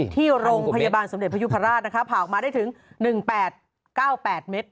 ที่โรงพยาบาลสมเด็จพยุพราชนะคะผ่าออกมาได้ถึง๑๘๙๘เมตร